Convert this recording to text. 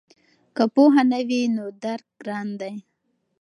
که پوهه نه وي نو درک ګران دی.